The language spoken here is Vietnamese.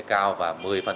cao và một mươi